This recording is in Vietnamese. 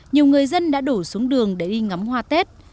nhiều người dân đã đổ xuống đường để đi ngắm hoa tết